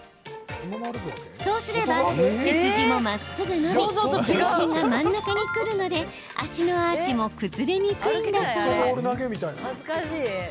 そうすれば、背筋もまっすぐ伸び重心が真ん中にくるので足のアーチも崩れにくいんだそう。